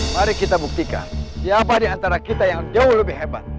mari kita buktikan siapa di antara kita yang jauh lebih hebat